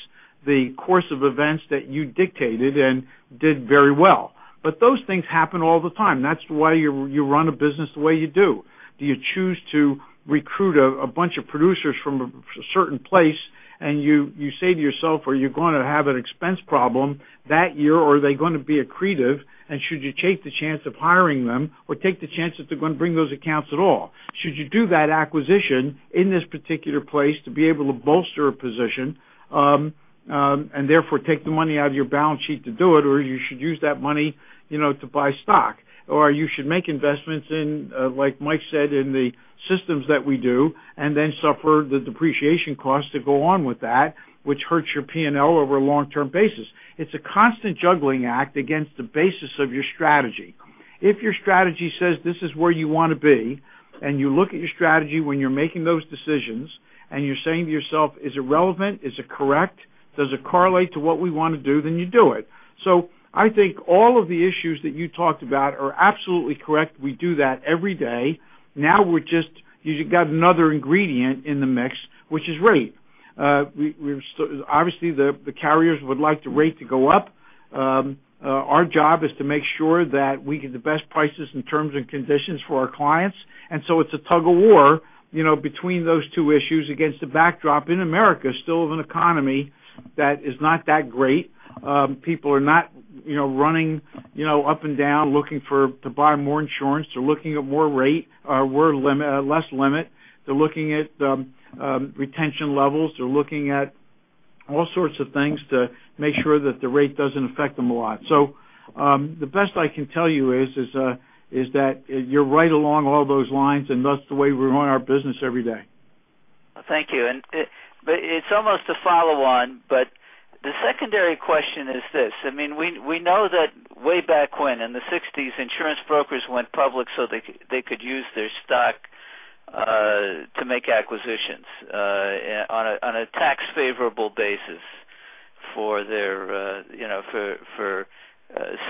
[SPEAKER 3] the course of events that you dictated and did very well. Those things happen all the time. That's why you run a business the way you do. Do you choose to recruit a bunch of producers from a certain place, and you say to yourself, are you going to have an expense problem that year, or are they going to be accretive, and should you take the chance of hiring them or take the chance that they're going to bring those accounts at all? Should you do that acquisition in this particular place to be able to bolster a position, and therefore take the money out of your balance sheet to do it, or you should use that money to buy stock? You should make investments in, like Mike said, in the systems that we do and then suffer the depreciation cost to go on with that, which hurts your P&Ls over a long-term basis. It's a constant juggling act against the basis of your strategy. If your strategy says this is where you want to be, and you look at your strategy when you're making those decisions, and you're saying to yourself, is it relevant? Is it correct? Does it correlate to what we want to do? You do it. I think all of the issues that you talked about are absolutely correct. We do that every day. Now you got another ingredient in the mix, which is rate. Obviously, the carriers would like the rate to go up. Our job is to make sure that we get the best prices and terms and conditions for our clients. It's a tug-of-war between those two issues against the backdrop in America, still of an economy that is not that great. People are not running up and down looking to buy more insurance. They're looking at more rate or less limit. They're looking at retention levels. They're looking at all sorts of things to make sure that the rate doesn't affect them a lot. The best I can tell you is that you're right along all those lines, and that's the way we're running our business every day.
[SPEAKER 13] Thank you. It's almost a follow-on, but the secondary question is this. We know that way back when in the 1960s, insurance brokers went public so they could use their stock to make acquisitions on a tax favorable basis for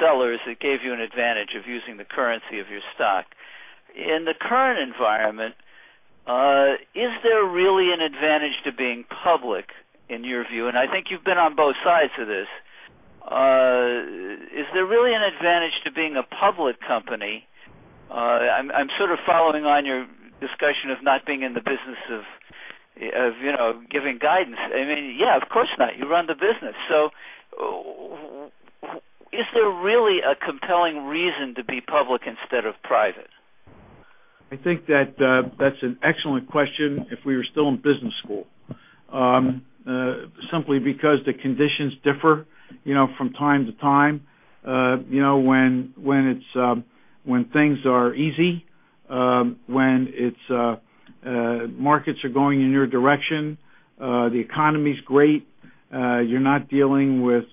[SPEAKER 13] sellers. It gave you an advantage of using the currency of your stock. In the current environment, is there really an advantage to being public in your view? I think you've been on both sides of this. Is there really an advantage to being a public company? I'm sort of following on your discussion of not being in the business of giving guidance. I mean, yeah, of course not. You run the business. Is there really a compelling reason to be public instead of private?
[SPEAKER 3] I think that's an excellent question if we were still in business school. Simply because the conditions differ from time to time. When things are easy, when markets are going in your direction, the economy's great, you're not dealing with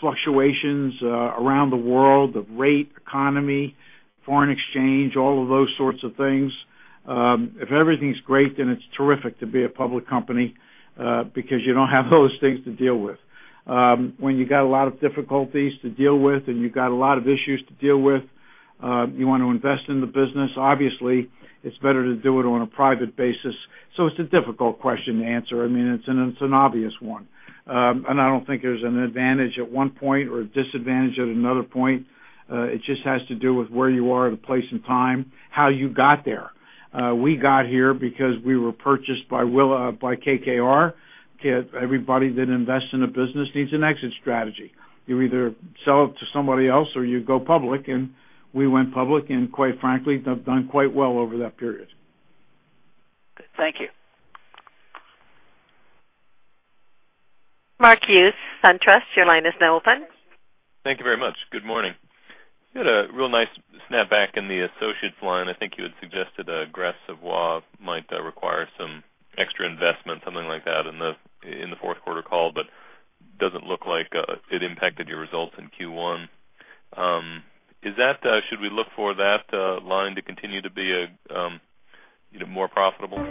[SPEAKER 3] fluctuations around the world of rate, economy, foreign exchange, all of those sorts of things. If everything's great, then it's terrific to be a public company because you don't have those things to deal with. When you got a lot of difficulties to deal with and you got a lot of issues to deal with, you want to invest in the business. Obviously, it's better to do it on a private basis. It's a difficult question to answer. I mean, it's an obvious one. I don't think there's an advantage at one point or a disadvantage at another point. It just has to do with where you are at a place in time, how you got there. We got here because we were purchased by KKR. Everybody that invests in a business needs an exit strategy. You either sell it to somebody else or you go public, and we went public, and quite frankly, have done quite well over that period.
[SPEAKER 13] Thank you.
[SPEAKER 1] Mark Hughes, SunTrust, your line is now open.
[SPEAKER 14] Thank you very much. Good morning. You had a real nice snapback in the associates line. I think you had suggested aggressive growth might require some extra investment, something like that in the fourth quarter call, but doesn't look like it impacted your results in Q1. Should we look for that line to continue to be more profitable?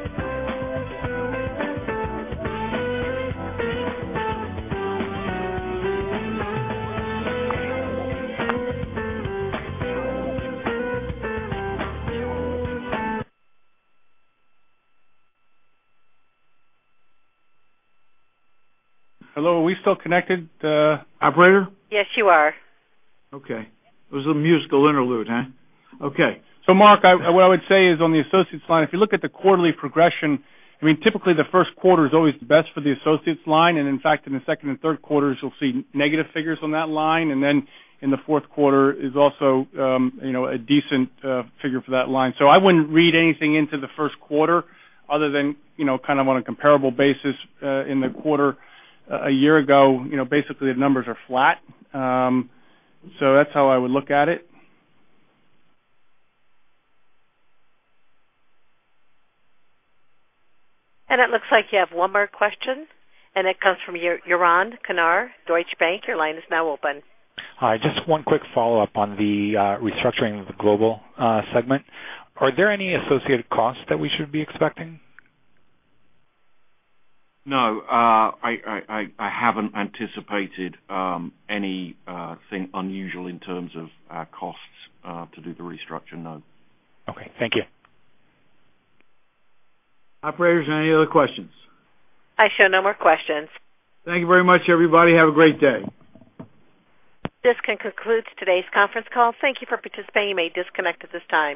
[SPEAKER 3] Hello, are we still connected, operator?
[SPEAKER 1] Yes, you are.
[SPEAKER 5] It was a musical interlude, huh? Mark, what I would say is on the associates line, if you look at the quarterly progression, typically the first quarter is always the best for the associates line. In fact, in the second and third quarters, you'll see negative figures on that line. Then in the fourth quarter is also a decent figure for that line. I wouldn't read anything into the first quarter other than on a comparable basis in the quarter a year ago. Basically, the numbers are flat. That's how I would look at it.
[SPEAKER 1] It looks like you have one more question, and it comes from Yaron Kinar, Deutsche Bank. Your line is now open.
[SPEAKER 7] Hi, just one quick follow-up on the restructuring of the Global segment. Are there any associated costs that we should be expecting?
[SPEAKER 4] No, I haven't anticipated anything unusual in terms of costs to do the restructure. No.
[SPEAKER 7] Okay. Thank you.
[SPEAKER 3] Operators, any other questions?
[SPEAKER 1] I show no more questions.
[SPEAKER 3] Thank you very much, everybody. Have a great day.
[SPEAKER 1] This concludes today's conference call. Thank you for participating. You may disconnect at this time.